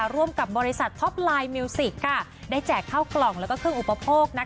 ร่วมกับบริษัทท็อปไลน์มิวสิกได้แจกข้าวกล่องและเครื่องอุปโภค